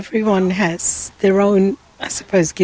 semua orang memiliki saya rasa